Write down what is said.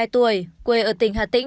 ba mươi hai tuổi quê ở tỉnh hà tĩnh